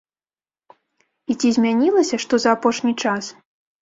І ці змянілася што за апошні час?